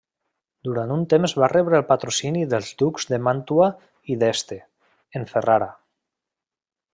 Durant un temps va rebre el patrocini dels ducs de Màntua i d'Este, en Ferrara.